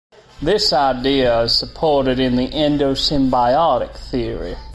This idea is supported in the Endosymbiotic theory.